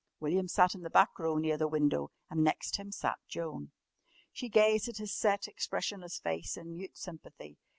William sat in the back row near the window, and next him sat Joan. She gazed at his set, expressionless face in mute sympathy.